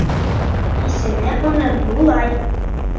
Исеме уның Юлай.